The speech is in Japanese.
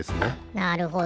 なるほど。